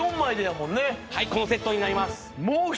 はいこのセットになります。